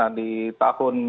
maka perkiraan sampai setahun